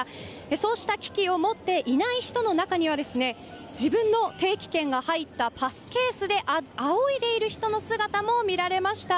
そうした機器を持っていない人の中には自分の定期券が入ったパスケースで仰いでいる人の姿も見られました。